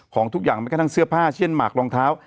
ของทุกอย่างแม้กระทั่งเสื้อผ้าเช่นหมากรองเท้า